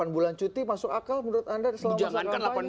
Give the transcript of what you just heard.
delapan bulan cuti masuk akal menurut anda selama sekarang